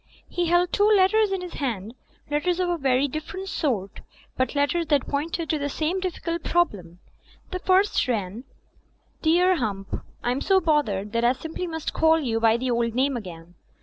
He held two let ters in his hand, letters of a very different sort, but letters that pointed to the same difficult problem. The first ran: "Dear Hump— "I'm so bothered that I simply must call you by the old name again.